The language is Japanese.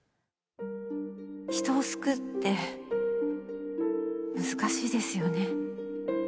人を救うって難しいですよね。